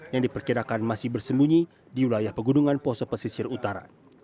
yang diperkirakan masih bersembunyi di wilayah pegunungan poso pesisir utara